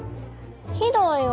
ひどいわ。